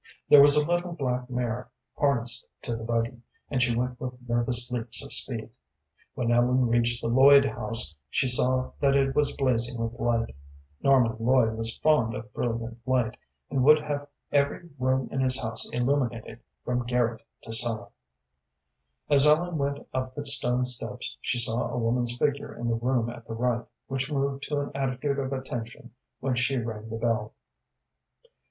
There was a little black mare harnessed to the buggy, and she went with nervous leaps of speed. When Ellen reached the Lloyd house she saw that it was blazing with light. Norman Lloyd was fond of brilliant light, and would have every room in his house illuminated from garret to cellar. As Ellen went up the stone steps she saw a woman's figure in the room at the right, which moved to an attitude of attention when she rang the bell.